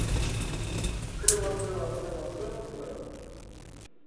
The mason was Maurice van Dam from Woerden.